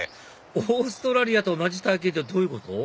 オーストラリアと同じ体験ってどういうこと？